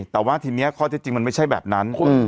แต่ว่าทีนี้ข้อเท็จจริงมันไม่ใช่แบบนั้น